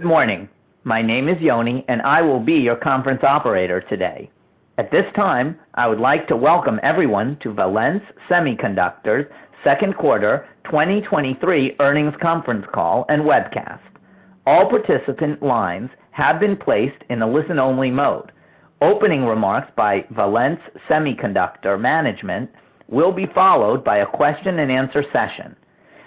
Good morning. My name is Yoni, and I will be your conference operator today. At this time, I would like to welcome everyone to Valens Semiconductor's Q2 2023 earnings conference call and webcast. All participant lines have been placed in a listen-only mode. Opening remarks by Valens Semiconductor management will be followed by a question and answer session.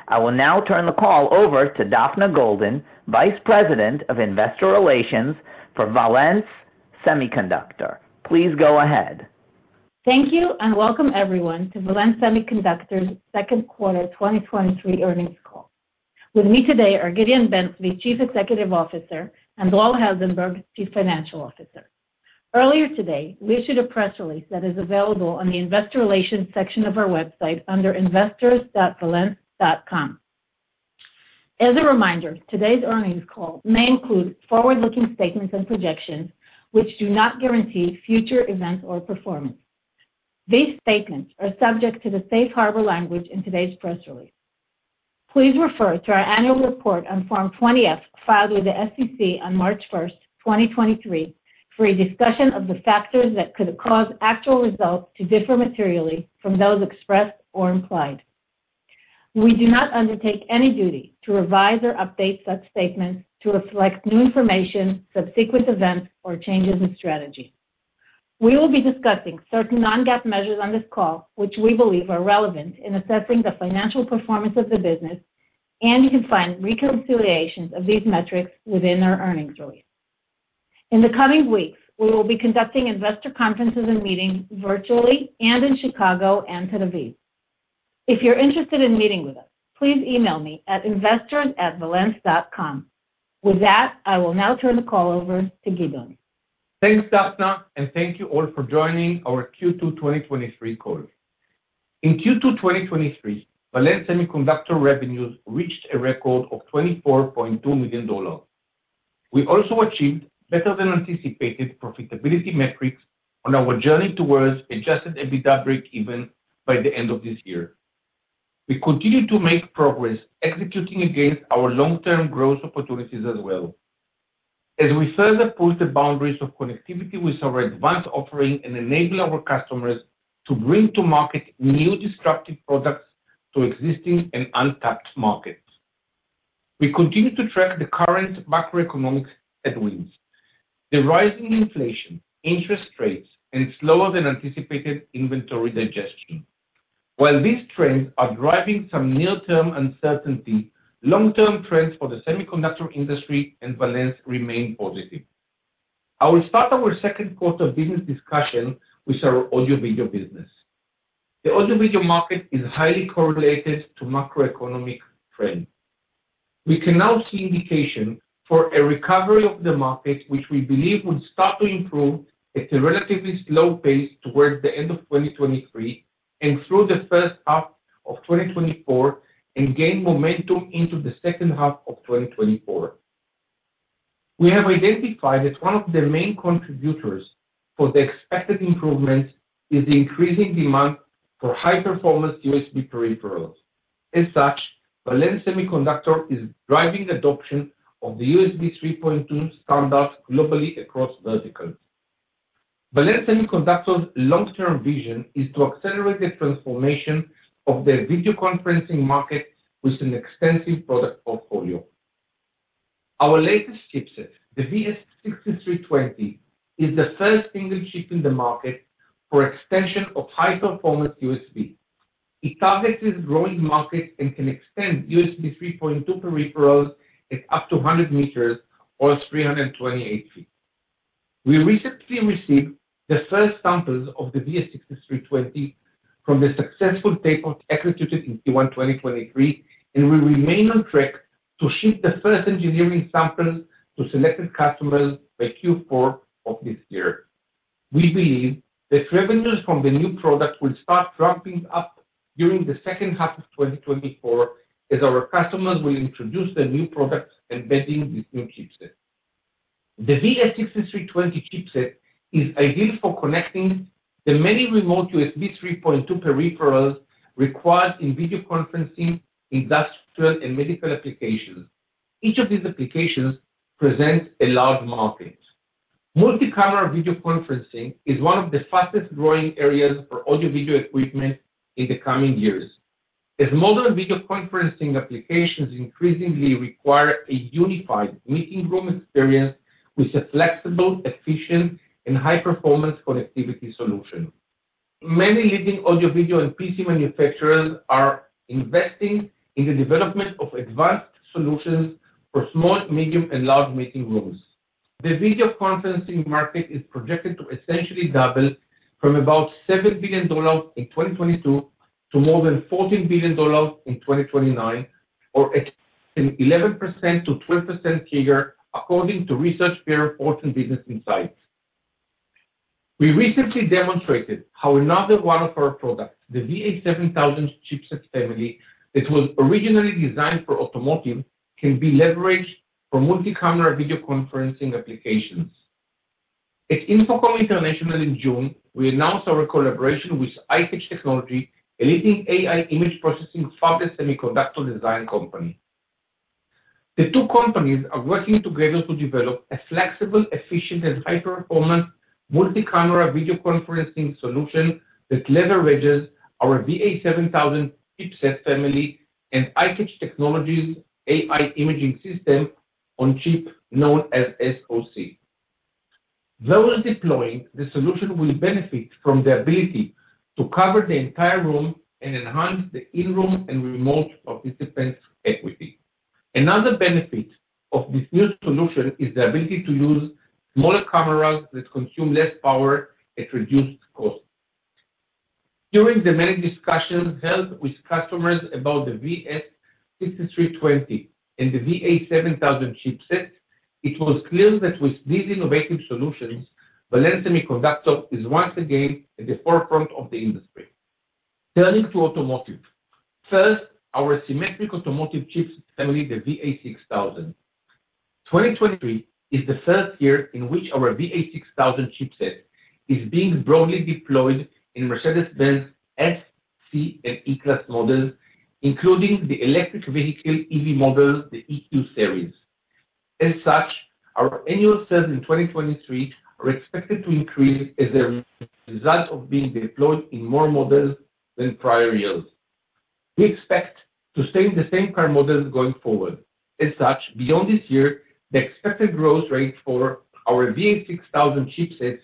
I will now turn the call over to Daphna Golden, Vice President of Investor Relations for Valens Semiconductor. Please go ahead. Thank you, and welcome everyone to Valens Semiconductor's Q2 2023 earnings call. With me today are Gideon Ben-Zvi, Chief Executive Officer, and Dror Heldenberg, Chief Financial Officer. Earlier today, we issued a press release that is available on the investor relations section of our website under investors.valens.com. As a reminder, today's earnings call may include forward-looking statements and projections which do not guarantee future events or performance. These statements are subject to the safe harbor language in today's press release. Please refer to our annual report on Form 20-F, filed with the SEC on March 1, 2023, for a discussion of the factors that could cause actual results to differ materially from those expressed or implied. We do not undertake any duty to revise or update such statements to reflect new information, subsequent events, or changes in strategy. We will be discussing certain non-GAAP measures on this call, which we believe are relevant in assessing the financial performance of the business, and you can find reconciliations of these metrics within our earnings release. In the coming weeks, we will be conducting investor conferences and meetings virtually and in Chicago and Tel Aviv. If you're interested in meeting with us, please email me at investors@valens.com. With that, I will now turn the call over to Gideon. Thanks, Dafna, thank you all for joining our Q2 2023 call. In Q2 2023, Valens Semiconductor revenues reached a record of $24.2 million. We also achieved better than anticipated profitability metrics on our journey towards adjusted EBITDA breakeven by the end of this year. We continue to make progress executing against our long-term growth opportunities as well. We further push the boundaries of connectivity with our advanced offering and enable our customers to bring to market new disruptive products to existing and untapped markets. We continue to track the current macroeconomic headwinds, the rising inflation, interest rates, and slower than anticipated inventory digestion. While these trends are driving some near-term uncertainty, long-term trends for the semiconductor industry and Valens remain positive. I will start our Q2 business discussion with our audio/video business. The audio/video market is highly correlated to macroeconomic trends. We can now see indication for a recovery of the market, which we believe would start to improve at a relatively slow pace towards the end of 2023, and through the first half of 2024, and gain momentum into the second half of 2024. We have identified that one of the main contributors for the expected improvement is the increasing demand for high-performance USB peripherals. As such, Valens Semiconductor is driving adoption of the USB 3.2 standard globally across verticals. Valens Semiconductor's long-term vision is to accelerate the transformation of the video conferencing market with an extensive product portfolio. Our latest chipset, the VS6320, is the first single chip in the market for extension of high-performance USB. It targets this growing market and can extend USB 3.2 peripherals at up to 100 meters or 328 feet. We recently received the first samples of the VS6320 from the successful tape-out executed in Q1 2023. We remain on track to ship the first engineering samples to selected customers by Q4 of this year. We believe that revenues from the new product will start ramping up during the second half of 2024, as our customers will introduce the new products embedding with new chipsets. The VS6320 chipset is ideal for connecting the many remote USB 3.2 peripherals required in video conferencing, industrial, and medical applications. Each of these applications presents a large market. Multi-camera video conferencing is one of the fastest growing areas for audio/video equipment in the coming years, as modern video conferencing applications increasingly require a unified meeting room experience with a flexible, efficient, and high-performance connectivity solution. Many leading audio/video, and PC manufacturers are investing in the development of advanced solutions for small, medium, and large meeting rooms. The video conferencing market is projected to essentially double from about $7 billion in 2022 to more than $14 billion in 2029, or at an 11%-12% CAGR, according to Business Research Insights. We recently demonstrated how another one of our products, the VA7000 chipset family, that was originally designed for automotive, can be leveraged for multi-camera video conferencing applications. At InfoComm International in June, we announced our collaboration with iCatch Technology, a leading AI image processing fabless semiconductor design company. The two companies are working together to develop a flexible, efficient, and high-performance multi-camera video conferencing solution that leverages our VA7000 chipset family and iCatch Technology's AI imaging system on chip, known as SoC. Those deploying the solution will benefit from the ability to cover the entire room and enhance the in-room and remote participants equity. Another benefit of this new solution is the ability to use smaller cameras that consume less power at reduced cost. During the many discussions held with customers about the VS6320 and the VA7000 chipsets, it was clear that with these innovative solutions, Valens Semiconductor is once again at the forefront of the industry. Turning to automotive. First, our symmetric automotive chips family, the VA6000. 2023 is the first year in which our VA6000 chipset is being broadly deployed in Mercedes-Benz S, C, and E-Class models, including the electric vehicle, EV model, the EQ series. As such, our annual sales in 2023 are expected to increase as a result of being deployed in more models than prior years. We expect to stay in the same car models going forward. As such, beyond this year, the expected growth rate for our VA6000 chipsets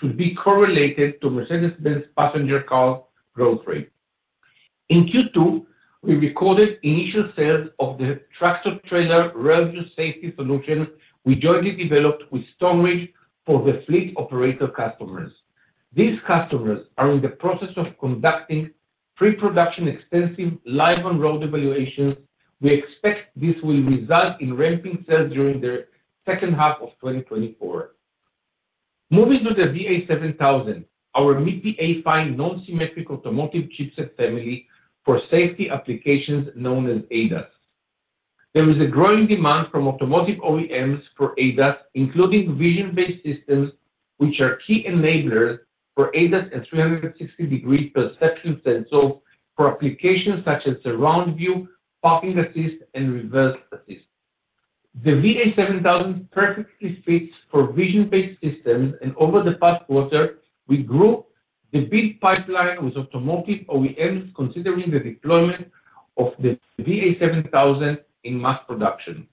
should be correlated to Mercedes-Benz passenger car growth rate. In Q2, we recorded initial sales of the tractor-trailer relative safety solution we jointly developed with Stoneridge for the fleet operator customers. These customers are in the process of conducting pre-production, extensive live on-road evaluations. We expect this will result in ramping sales during the second half of 2024. Moving to the VA7000, our mid-PFI non-symmetric automotive chipset family for safety applications known as ADAS. There is a growing demand from automotive OEMs for ADAS, including vision-based systems, which are key enablers for ADAS and 360-degree perception sensors for applications such as surround view, parking assist, and reverse assist. The VA7000 perfectly fits for vision-based systems. Over the past quarter, we grew the big pipeline with automotive OEMs, considering the deployment of the VA7000 in mass production.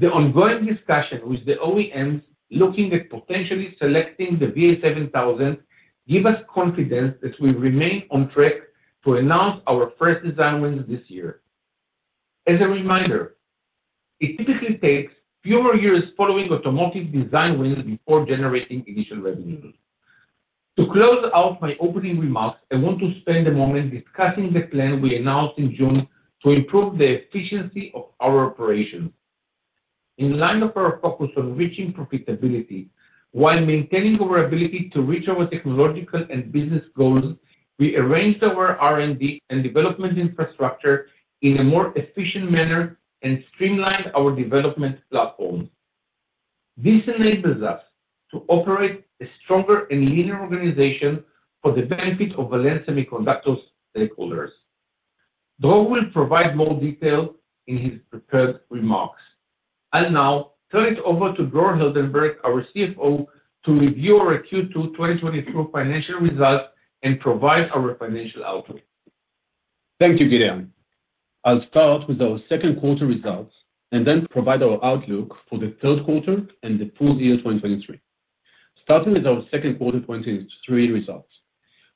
The ongoing discussion with the OEMs looking at potentially selecting the VA7000, give us confidence that we remain on track to announce our first design wins this year. As a reminder, it typically takes fewer years following automotive design wins before generating initial revenues. To close out my opening remarks, I want to spend a moment discussing the plan we announced in June to improve the efficiency of our operations. In line with our focus on reaching profitability while maintaining our ability to reach our technological and business goals, we arranged our R&D and development infrastructure in a more efficient manner and streamlined our development platform. This enables us to operate a stronger and leaner organization for the benefit of Valens Semiconductor's stakeholders. Dror will provide more detail in his prepared remarks. I'll now turn it over to Dror Heldenberg, our CFO, to review our Q2 2023 financial results and provide our financial outlook. Thank you, Gideon. I'll start with our Q2 results and then provide our outlook for the Q3 and the full year 2023. Starting with our Q2 2023 results.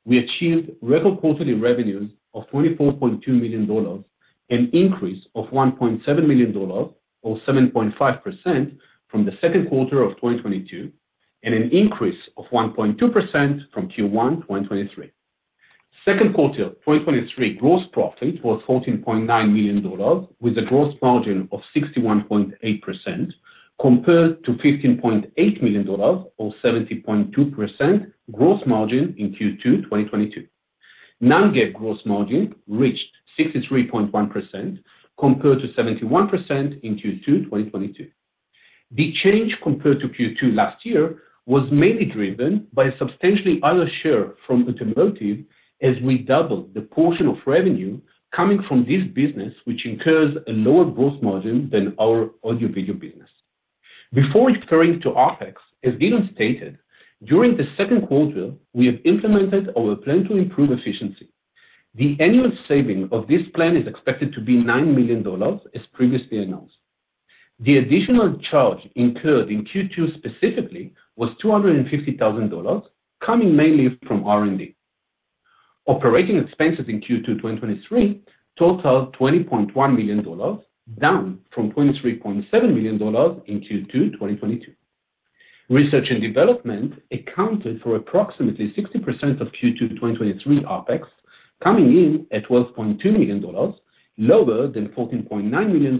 We achieved record quarterly revenues of $24.2 million, an increase of $1.7 million, or 7.5% from the Q2 of 2022, and an increase of 1.2% from Q1 2023. Q2 of 2023 gross profit was $14.9 million, with a gross margin of 61.8%, compared to $15.8 million or 70.2% gross margin in Q2 2022. Non-GAAP gross margin reached 63.1%, compared to 71% in Q2 2022. The change compared to Q2 last year was mainly driven by a substantially other share from automotive, as we doubled the portion of revenue coming from this business, which incurs a lower gross margin than our audio/video business. Before referring to OpEx, as Gideon stated, during the second quarter, we have implemented our plan to improve efficiency. The annual saving of this plan is expected to be $9 million, as previously announced. The additional charge incurred in Q2 specifically was $250,000, coming mainly from R&D. Operating expenses in Q2 2023 totaled $20.1 million, down from $23.7 million in Q2 2022. Research and development accounted for approximately 60% of Q2 2023 OpEx, coming in at $12.2 million, lower than $14.9 million in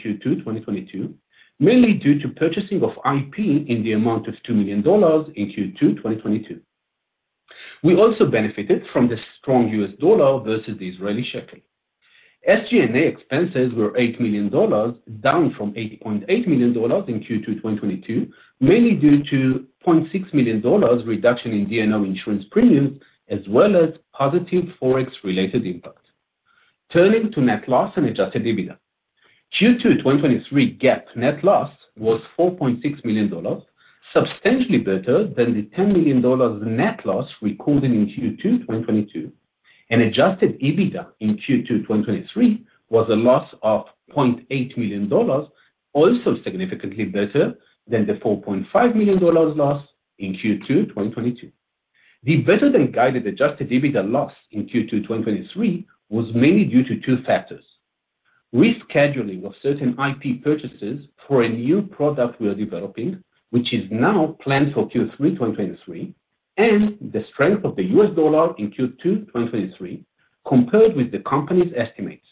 Q2 2022, mainly due to purchasing of IP in the amount of $2 million in Q2 2022. We also benefited from the strong U.S. dollar versus the Israeli shekel. SG&A expenses were $8 million, down from $8.8 million in Q2 2022, mainly due to $0.6 million reduction in D&O insurance premiums, as well as positive Forex-related impact. Turning to net loss and adjusted EBITDA. Q2 2023 GAAP net loss was $4.6 million, substantially better than the $10 million net loss recorded in Q2 2022. Adjusted EBITDA in Q2 2023 was a loss of $0.8 million, also significantly better than the $4.5 million loss in Q2 2022. The better-than-guided adjusted EBITDA loss in Q2 2023 was mainly due to two factors: rescheduling of certain IP purchases for a new product we are developing, which is now planned for Q3 2023, and the strength of the US dollar in Q2 2023 compared with the company's estimates.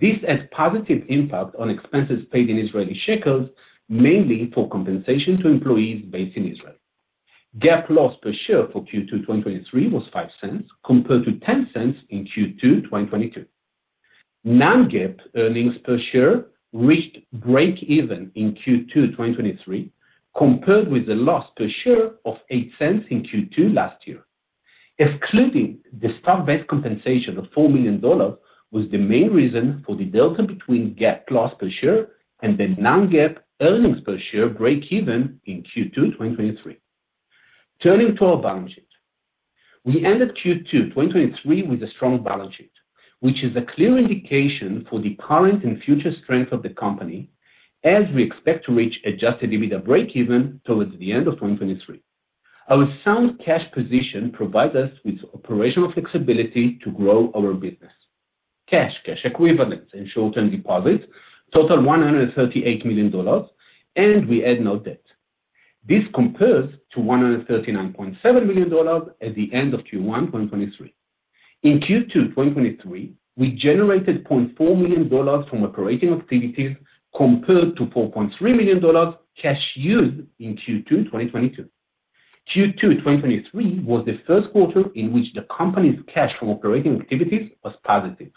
This has positive impact on expenses paid in Israeli shekels, mainly for compensation to employees based in Israel. GAAP loss per share for Q2 2023 was $0.05, compared to $0.10 in Q2 2022. Non-GAAP earnings per share reached breakeven in Q2 2023, compared with a loss per share of $0.08 in Q2 last year. Excluding the stock-based compensation of $4 million, was the main reason for the delta between GAAP loss per share and the non-GAAP earnings per share breakeven in Q2 2023. Turning to our balance sheet. We ended Q2 2023 with a strong balance sheet, which is a clear indication for the current and future strength of the company, as we expect to reach adjusted EBITDA breakeven towards the end of 2023. Our sound cash position provides us with operational flexibility to grow our business. Cash, cash equivalents, and short-term deposits total $138 million, and we add no debt. This compares to $139.7 million at the end of Q1 2023. In Q2 2023, we generated $0.4 million from operating activities, compared to $4.3 million cash used in Q2 2022. Q2 2023 was the Q1 in which the company's cash from operating activities was positive.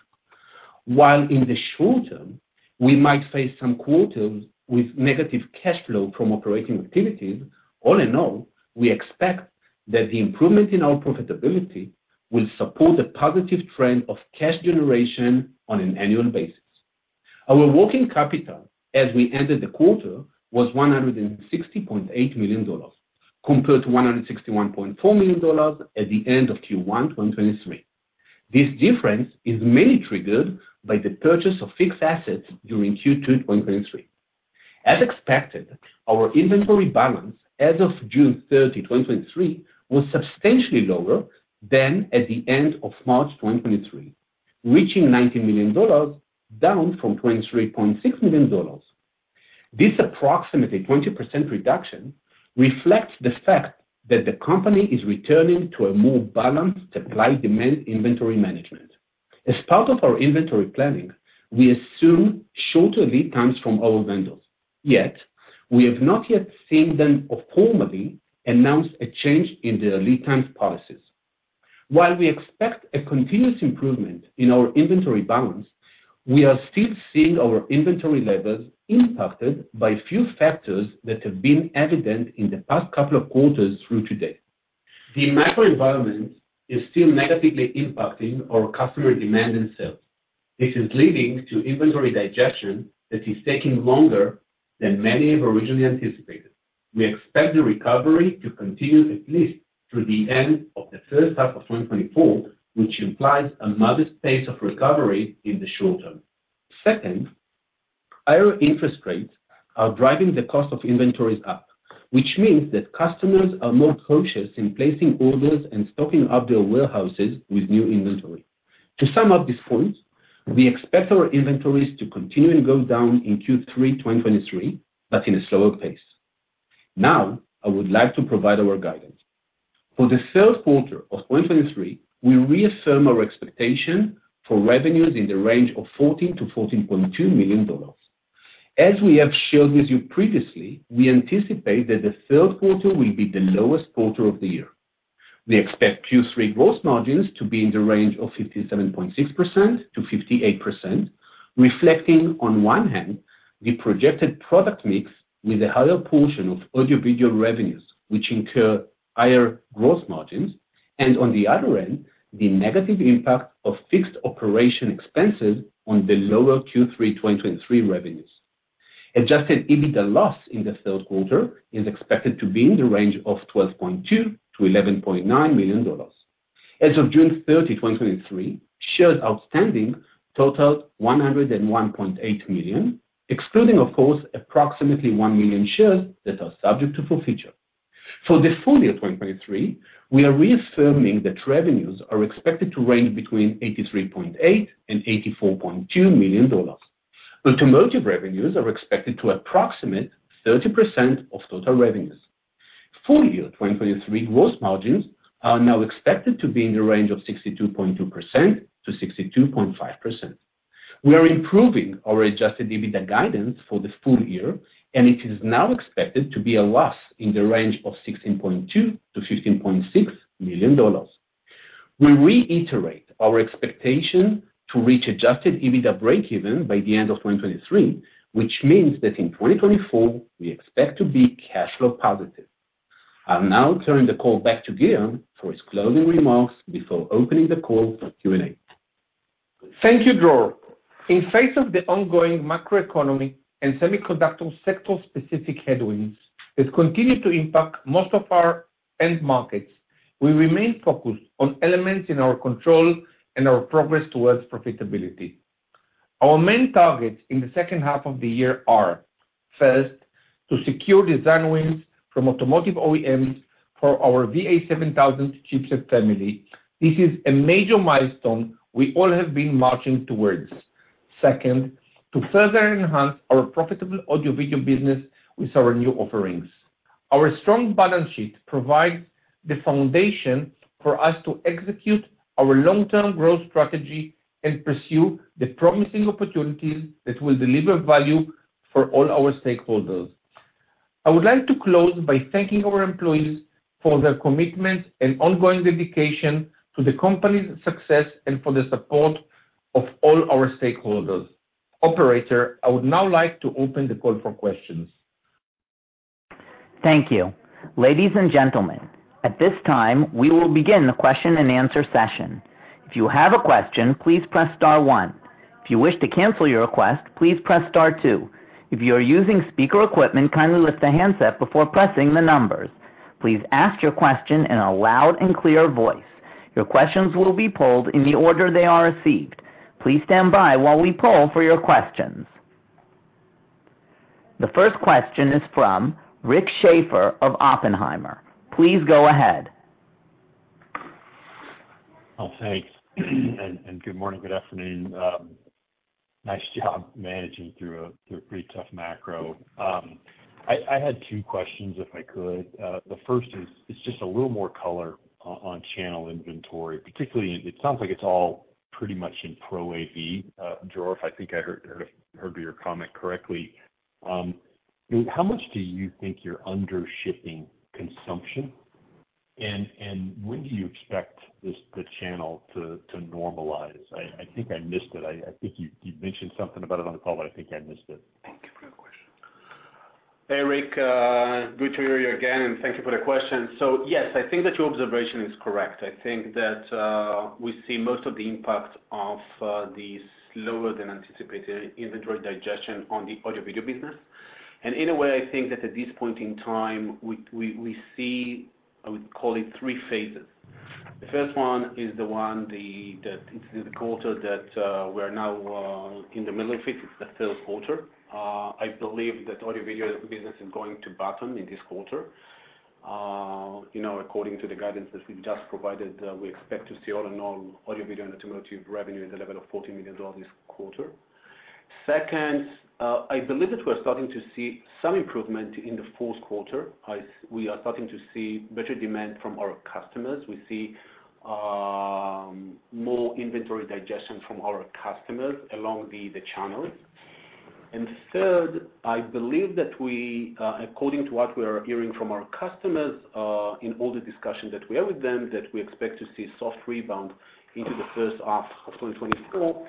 While in the short term, we might face some quarters with negative cash flow from operating activities, all in all, we expect that the improvement in our profitability will support a positive trend of cash generation on an annual basis. Our working capital as we ended the quarter, was $160.8 million, compared to $161.4 million at the end of Q1 2023. This difference is mainly triggered by the purchase of fixed assets during Q2 2023. As expected, our inventory balance as of June 30, 2023, was substantially lower than at the end of March 2023, reaching $90 million, down from $23.6 million. This approximately 20% reduction reflects the fact that the company is returning to a more balanced supply-demand inventory management. As part of our inventory planning, we assume shorter lead times from our vendors, yet we have not yet seen them formally announce a change in their lead times policies. While we expect a continuous improvement in our inventory balance, we are still seeing our inventory levels impacted by few factors that have been evident in the past couple of quarters through today. The macro environment is still negatively impacting our customer demand and sales. This is leading to inventory digestion that is taking longer than many have originally anticipated. We expect the recovery to continue at least through the end of the first half of 2024, which implies a modest pace of recovery in the short term. Second, higher interest rates are driving the cost of inventories up, which means that customers are more cautious in placing orders and stocking up their warehouses with new inventory. To sum up this point, we expect our inventories to continue to go down in Q3 2023, but in a slower pace. Now, I would like to provide our guidance. For the Q3 of 2023, we reaffirm our expectation for revenues in the range of $14 million-$14.2 million. As we have shared with you previously, we anticipate that the Q3 will be the lowest quarter of the year. We expect Q3 gross margins to be in the range of 57.6%-58%, reflecting, on one hand, the projected product mix with a higher portion of audio/video revenues, which incur higher gross margins, and on the other hand, the negative impact of fixed operating expenses on the lower Q3 2023 revenues. Adjusted EBITDA loss in the Q3 is expected to be in the range of $12.2 million-$11.9 million. As of June 30, 2023, shares outstanding totaled 101.8 million, excluding, of course, approximately 1 million shares that are subject to forfeiture. For the full year 2023, we are reaffirming that revenues are expected to range between $83.8 million and $84.2 million. Automotive revenues are expected to approximate 30% of total revenues. Full year 2023 gross margins are now expected to be in the range of 62.2%-62.5%. We are improving our adjusted EBITDA guidance for the full year, and it is now expected to be a loss in the range of $16.2 million to $15.6 million. We reiterate our expectation to reach adjusted EBITDA breakeven by the end of 2023, which means that in 2024, we expect to be cash flow positive. I'll now turn the call back to Gideon Ben-Zvi for his closing remarks before opening the call for Q&A. Thank you, Dror. In face of the ongoing macroeconomy and semiconductor sector-specific headwinds that continue to impact most of our end markets, we remain focused on elements in our control and our progress towards profitability. Our main targets in the second half of the year are: first, to secure design wins from automotive OEMs for our VA7000 chipset family. This is a major milestone we all have been marching towards. Second, to further enhance our profitable audio/video business with our new offerings. Our strong balance sheet provides the foundation for us to execute our long-term growth strategy and pursue the promising opportunities that will deliver value for all our stakeholders. I would like to close by thanking our employees for their commitment and ongoing dedication to the company's success and for the support of all our stakeholders. Operator, I would now like to open the call for questions. Thank you. Ladies and gentlemen, at this time, we will begin the question-and-answer session. If you have a question, please press star one. If you wish to cancel your request, please press star two. If you are using speaker equipment, kindly lift the handset before pressing the numbers. Please ask your question in a loud and clear voice. Your questions will be polled in the order they are received. Please stand by while we poll for your questions. The first question is from Rick Schafer of Oppenheimer. Please go ahead. Thanks, and good morning. Good afternoon. Nice job managing through a pretty tough macro. I had two questions, if I could. The first is just a little more color on channel inventory, particularly, it sounds like it's all pretty much in Pro AV. Dror, if I think I heard your comment correctly, how much do you think you're under shipping consumption? When do you expect the channel to normalize? I think I missed it. I think you mentioned something about it on the call, but I think I missed it. Hey, Rick, good to hear you again, and thank you for the question. Yes, I think that your observation is correct. I think that, we see most of the impact of the slower than anticipated inventory digestion on the audio/video business. In a way, I think that at this point in time, we, we, we see, I would call it three phases. The first one is the one, the, that it's the quarter that we are now in the middle of it. It's the Q3. I believe that audio/video business is going to bottom in this quarter. You know, according to the guidance that we've just provided, we expect to see all-in-all audio video and automotive revenue in the level of $40 million this quarter. Second, I believe that we're starting to see some improvement in the Q4, as we are starting to see better demand from our customers. We see more inventory digestion from our customers along the, the channels. Third, I believe that we, according to what we are hearing from our customers, in all the discussions that we have with them, that we expect to see soft rebound into the first half of 2024.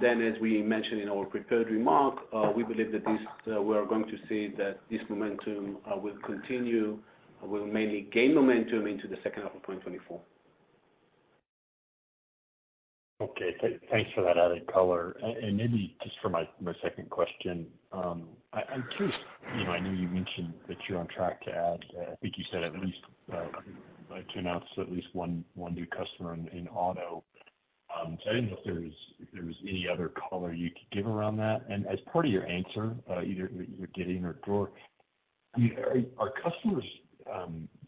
Then, as we mentioned in our prepared remark, we believe that this, we are going to see that this momentum, will continue, will mainly gain momentum into the second half of 2024. Okay. Thanks for that added color. Maybe just for my, my second question, I, I'm curious, you know, I know you mentioned that you're on track to add, I think you said at least, to announce at least one, one new customer in, in auto. I didn't know if there was, if there was any other color you could give around that. As part of your answer, either you're getting or Dror, are customers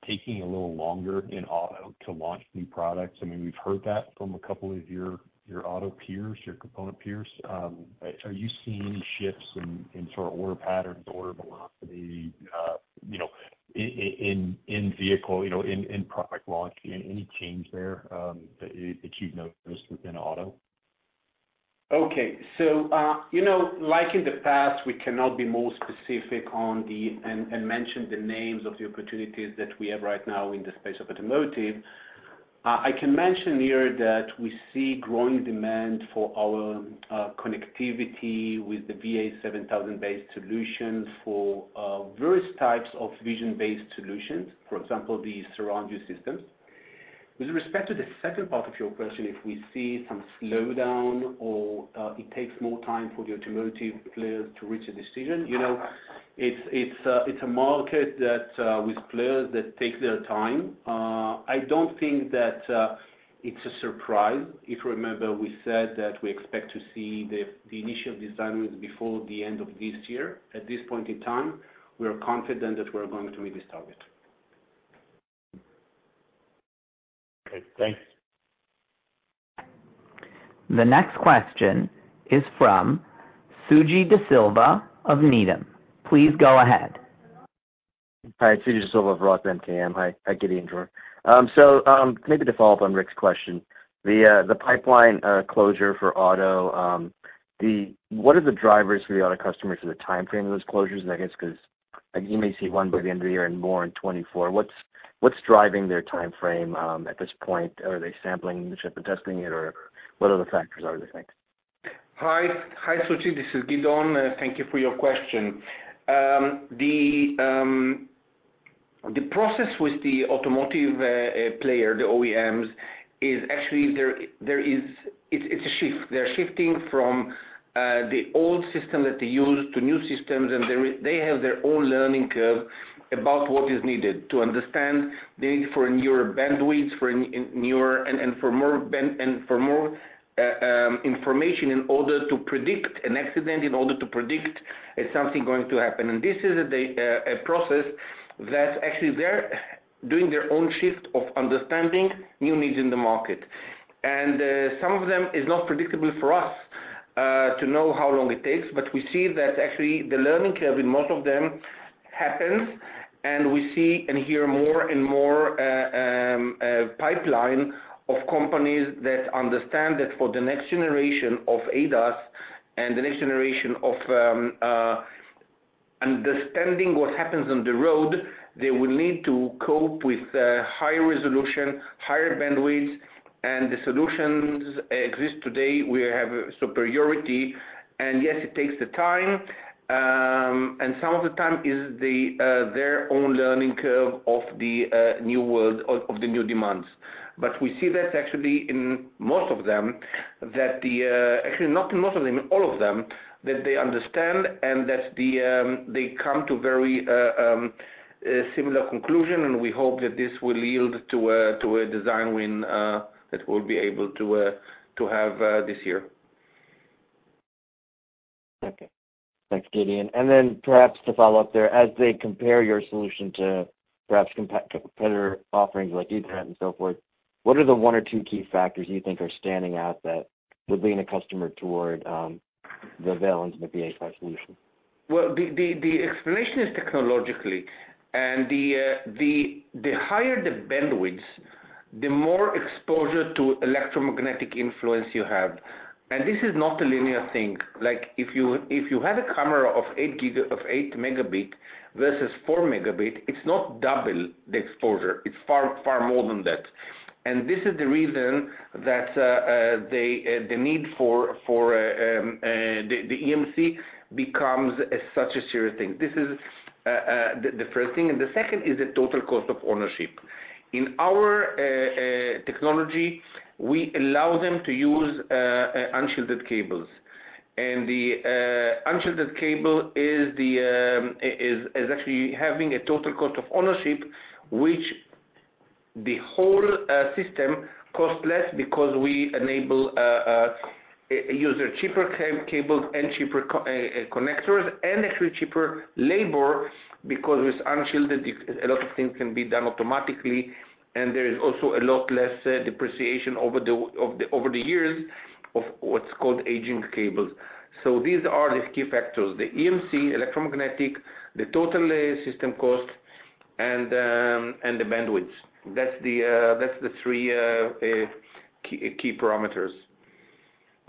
taking a little longer in auto to launch new products? I mean, we've heard that from a couple of your, your auto peers, your component peers. Are you seeing any shifts in, in sort of order patterns or velocity, you know, in, in vehicle, you know, in, in product launch? Any change there that you, you've noticed within auto? Okay. You know, like in the past, we cannot be more specific on the... mention the names of the opportunities that we have right now in the space of automotive. I can mention here that we see growing demand for our connectivity with the VA7000-based solution for various types of vision-based solutions, for example, the surround view systems. With respect to the second part of your question, if we see some slowdown or it takes more time for the automotive players to reach a decision, you know, it's, it's a, it's a market that with players that take their time. I don't think that it's a surprise. If you remember, we said that we expect to see the, the initial design wins before the end of this year. At this point in time, we are confident that we are going to meet this target. Okay, thanks. The next question is from Suji Desilva of Roth MKM. Please go ahead. Hi, it's Suji Desilva with Roth MKM. Hi, hi, Gideon, Dror. So, maybe to follow up on Rick's question, the pipeline closure for auto, what are the drivers for the auto customers and the time frame of those closures? I guess, because you may see one by the end of the year and more in 2024, what's, what's driving their time frame, at this point? Are they sampling the chip and testing it, or what other factors are there, thanks? Hi, hi, Suji, this is Gideon. Thank you for your question. The process with the automotive player, the OEMs, is actually there, it's, it's a shift. They're shifting from the old system that they used to new systems, they have their own learning curve about what is needed to understand the need for newer bandwidth, for newer and for more band, and for more information in order to predict an accident, in order to predict if something going to happen. This is a process that actually they're doing their own shift of understanding new needs in the market. Some of them is not predictable for us, to know how long it takes. We see that actually the learning curve in most of them happens, and we see and hear more and more pipeline of companies that understand that for the next generation of ADAS and the next generation of understanding what happens on the road, they will need to cope with higher resolution, higher bandwidth, and the solutions exist today, we have superiority. Yes, it takes the time, and some of the time is the their own learning curve of the new world, of the new demands. We see that actually in most of them, that the, actually not in most of them, in all of them, that they understand and that the, they come to very, similar conclusion, and we hope that this will yield to a, to a design win, that we'll be able to, to have, this year. Okay. Thanks, Gideon. Then perhaps to follow up there, as they compare your solution to perhaps competitor offerings like Ethernet and so forth, what are the one or two key factors you think are standing out that would lean a customer toward, the Valens and the VHI solution? Well, the explanation is technologically, the higher the bandwidth, the more exposure to electromagnetic influence you have. This is not a linear thing. Like, if you, if you had a camera of eight megabit versus four megabit, it's not double the exposure, it's far, far more than that. This is the reason that the need for EMC becomes such a serious thing. This is the first thing, and the second is the total cost of ownership. In our technology, we allow them to use unshielded cables. The unshielded cable is actually having a total cost of ownership, which the whole system costs less because we enable use a cheaper cable and cheaper connectors, and actually cheaper labor, because with unshielded, a lot of things can be done automatically, and there is also a lot less depreciation over the years of what's called aging cables. These are the key factors, the EMC, electromagnetic, the total system cost, and the bandwidth. That's the three key parameters.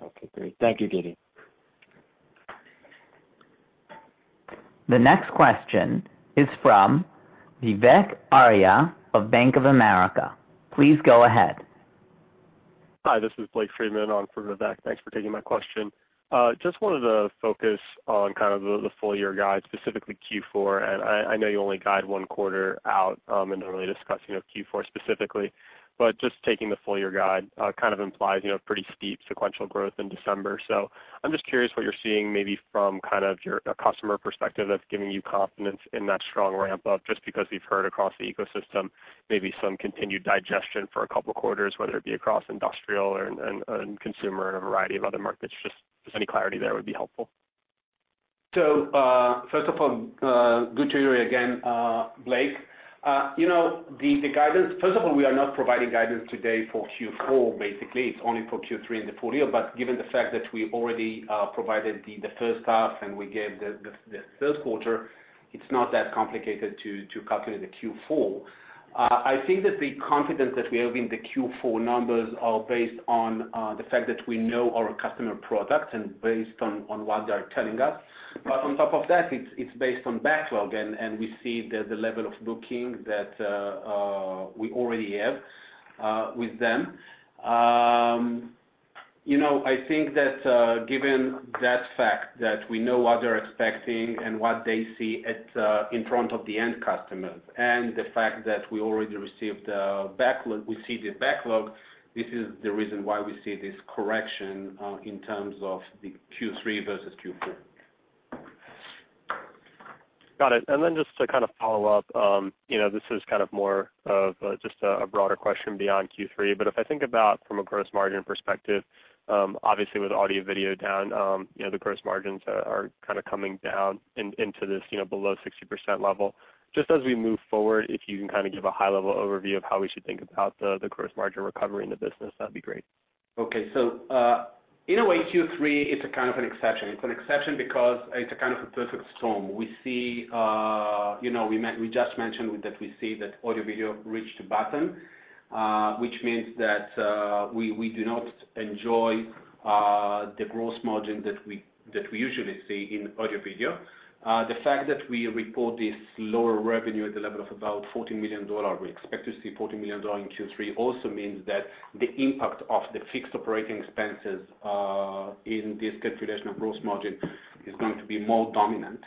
Okay, great. Thank you, Gideon. The next question is from Vivek Arya of Bank of America. Please go ahead. Hi, this is Blake Friedman on for Vivek. Thanks for taking my question. Just wanted to focus on kind of the, the full year guide, specifically Q4 and I, I know you only guide one quarter out and don't really discuss, you know, Q4 specifically. Just taking the full year guide kind of implies, you know, pretty steep sequential growth in December. I'm just curious what you're seeing maybe from kind of your customer perspective that's giving you confidence in that strong ramp up, just because we've heard across the ecosystem, maybe some continued digestion for two quarters, whether it be across industrial and, and, and consumer or a variety of other markets. Just any clarity there would be helpful. First of all, good to hear you again, Blake. You know, the guidance, first of all, we are not providing guidance today for Q4. Basically, it's only for Q3 and the full year, but given the fact that we already provided the, the first half and we gave the, the, the Q3, it's not that complicated to, to calculate the Q4. I think that the confidence that we have in the Q4 numbers are based on, the fact that we know our customer product and based on, on what they are telling us. On top of that, it's, it's based on backlog, and, and we see the, the level of booking that, we already have, with them. You know, I think that, given that fact that we know what they're expecting and what they see at, in front of the end customers, and the fact that we already received, backlog, we see the backlog, this is the reason why we see this correction, in terms of the Q3 versus Q4. Got it. Then just to kind of follow up, you know, this is kind of more of, just a, a broader question beyond Q3. If I think about from a gross margin perspective, obviously with audio, video down, you know, the gross margins are, are kind of coming down in, into this, you know, below 60% level. Just as we move forward, if you can kind of give a high level overview of how we should think about the, the gross margin recovery in the business, that'd be great.... In a way, Q3 is a kind of an exception. It's an exception because it's a kind of a perfect storm. We see, you know, we just mentioned that we see that audio-video reached the bottom, which means that, we, we do not enjoy, the gross margin that we, that we usually see in audio-video. The fact that we report this lower revenue at the level of about $14 million, we expect to see $14 million in Q3, also means that the impact of the fixed operating expenses, in this calculation of gross margin is going to be more dominant.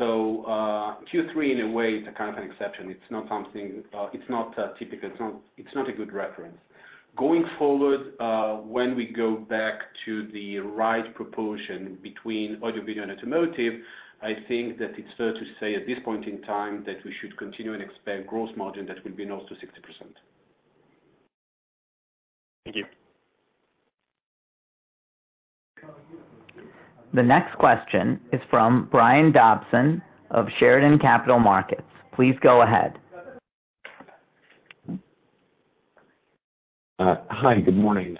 Q3, in a way, is a kind of an exception. It's not something, it's not, typical. It's not, it's not a good reference. Going forward, when we go back to the right proportion between audio-video and automotive, I think that it's fair to say at this point in time, that we should continue and expect gross margin that will be north to 60%. Thank you. The next question is from Brian Dobson of Chardan Capital Markets. Please go ahead. Hi, good morning.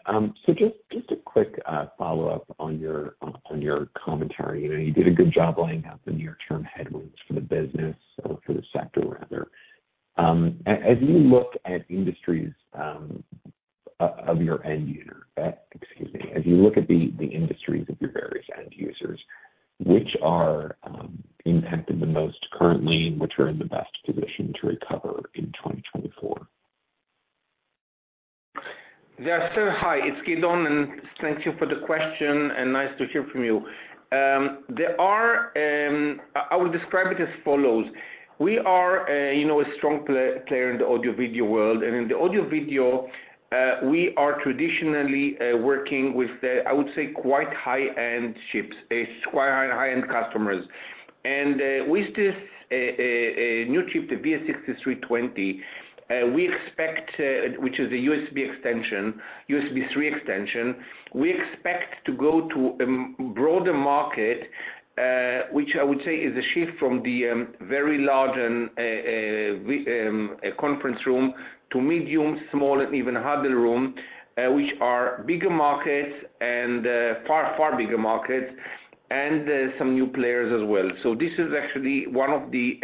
Just, just a quick follow-up on your, on, on your commentary. You know, you did a good job laying out the near-term headwinds for the business or for the sector, rather. As you look at industries, of your end user, excuse me. As you look at the, the industries of your various end users, which are impacted the most currently, and which are in the best position to recover in 2024? Hi, it's Gideon. Thank you for the question, and nice to hear from you. I would describe it as follows: We are, you know, a strong player in the audio-video world. In the audio-video, we are traditionally working with the, I would say, quite high-end chips, a quite high-end customers. With this new chip, the VS6320, we expect, which is a USB extension, USB 3 extension, we expect to go to a broader market, which I would say is a shift from the very large and a conference room to medium, small, and even huddle room, which are bigger markets. Far, far bigger markets, and some new players as well. This is actually one of the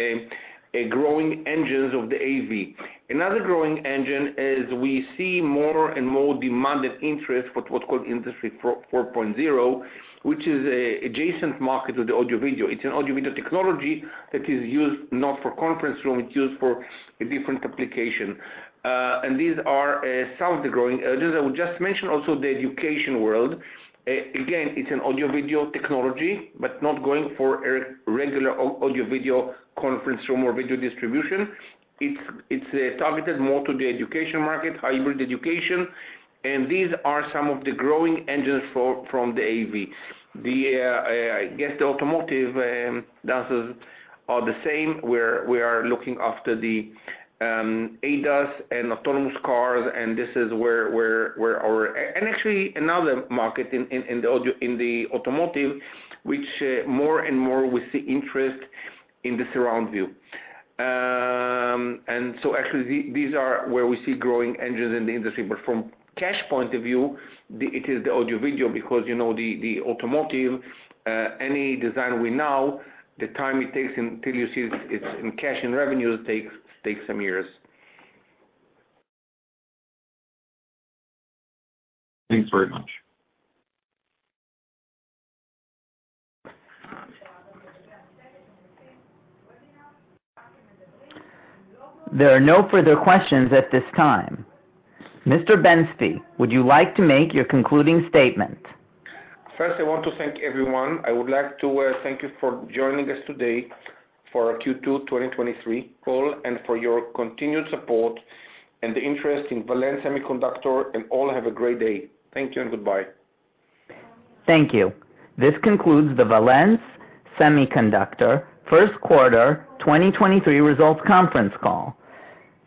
growing engines of the AV. Another growing engine is we see more and more demanded interest for what's called Industry 4, 4.0, which is a adjacent market to the audio-video. It's an audio-video technology that is used not for conference room, it's used for a different application. These are some of the growing areas. I would just mention also the education world. Again, it's an audio-video technology, but not going for a regular audio-video conference room or video distribution. It's, it's targeted more to the education market, hybrid education, and these are some of the growing engines for, from the AV. The, I guess the automotive, dances are the same, where we are looking after the ADAS and autonomous cars, and this is where, where, where our. Actually another market in, in, in the audio, in the automotive, which more and more we see interest in the surround view. So actually, these are where we see growing engines in the industry. From cash point of view, the, it is the audio-video, because, you know, the, the automotive, any design we know, the time it takes until you see it, it's in cash and revenues takes, takes some years. Thanks very much. There are no further questions at this time. Mr. Ben-Zvi, would you like to make your concluding statement? First, I want to thank everyone. I would like to thank you for joining us today for our Q2 2023 call, and for your continued support and interest in Valens Semiconductor, and all have a great day. Thank you and goodbye. Thank you. This concludes the Valens Semiconductor Q1 2023 results conference call.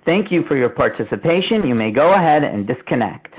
Thank you for your participation. You may go ahead and disconnect.